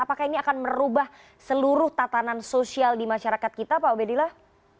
apakah ini akan merubah seluruh tatanan sosial di masyarakat kita pak ubedillah